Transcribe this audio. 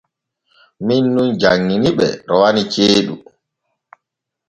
Min nun janŋini ɓe rowani ceeɗu.